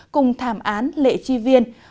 cùng thảm án lệ tri viên